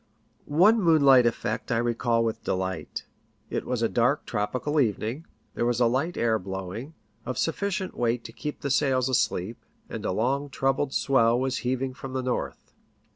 One moonlight effect I recall with delight. It was a dark, tropical evening ; there was a light air blowing, of sufficient weight to keep the sails asleep, and a long troubled swell was heaving from the north.